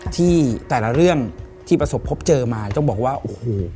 ที่แต่ละเรื่องที่ประสบพบเจอมาต้องบอกว่าโอ้โห